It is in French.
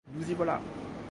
Nous y voilà!